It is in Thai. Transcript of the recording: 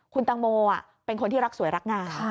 คุณตังโมเป็นคนที่รักสวยรักงาม